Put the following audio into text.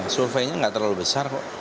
surveinya tidak terlalu besar